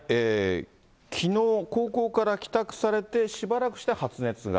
きのう、高校から帰宅されて、しばらくして発熱が。